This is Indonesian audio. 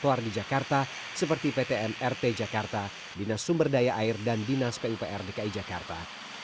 trotoar di jakarta seperti ptn rt jakarta dinas sumber daya air dan dinas pipr dki jakarta